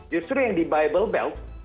justru yang di buible belt